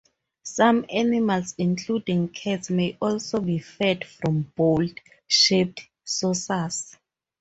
Some animals, including cats, may also be fed from bowl-shaped saucers.